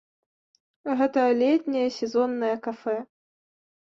Гэта летняе сезоннае кафэ.